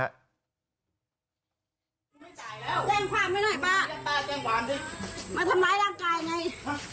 ไม่จ่ายแล้วแกงขวานไว้หน่อยป่ะแกงขวานสิมาทำร้ายร่างกายไงไม่จ่ายอีกไหม